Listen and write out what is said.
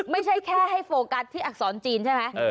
ไม่ใช่แค่ให้โฟกัสที่อักษรจีนใช่ไหม